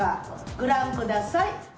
ご覧ください。